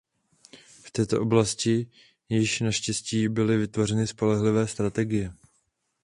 V této oblasti již naštěstí byly vytvořeny spolehlivé strategie.